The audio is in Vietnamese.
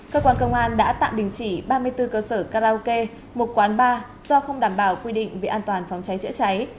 cơ quan công an đã tạm đình chỉ ba mươi bốn cơ sở karaoke một quán bar do không đảm bảo quy định về an toàn phòng cháy chữa cháy